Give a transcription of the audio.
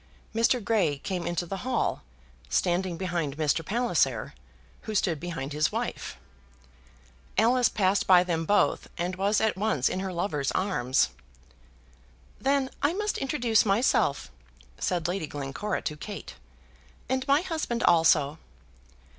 Mr. Grey came into the hall, standing behind Mr. Palliser, who stood behind his wife. Alice passed by them both, and was at once in her lover's arms. "Then I must introduce myself," said Lady Glencora to Kate, "and my husband also."